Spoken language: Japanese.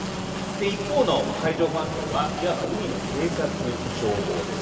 一方の海上保安庁はいわば海の警察、消防です。